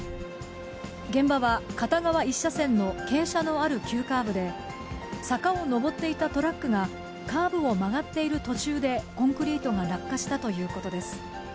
現場は片側１車線の傾斜のある急カーブで、坂を登っていたトラックが、カーブを曲がっている途中でコンクリートが落下したということです。